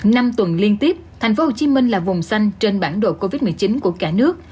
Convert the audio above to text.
năm tuần liên tiếp tp hcm là vùng xanh trên bản đồ covid một mươi chín của cả nước